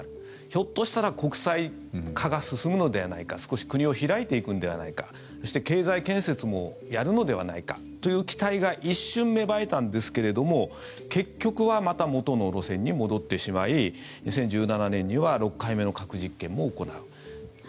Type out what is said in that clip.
ひょっとしたら国際化が進むのではないか少し国を開いていくのではないかそして経済建設もやるのではないかという期待が一瞬芽生えたんですけれども結局はまた元の路線に戻ってしまい２０１７年には６回目の核実験も行う。